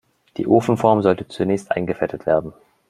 Die Ofenform sollte zunächst eingefettet werden.